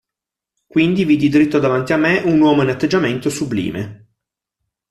Quindi vidi dritto davanti a me un uomo in atteggiamento sublime.